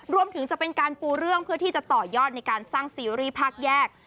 จะเป็นการปูเรื่องเพื่อที่จะต่อยอดในการสร้างซีรีส์ภาคแยก